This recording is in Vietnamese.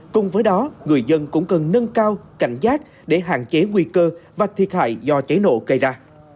cùng với đó người dân cũng cần nâng cao cảnh giác để hạn chế nguy cơ và thiệt hại do cháy nổ gây ra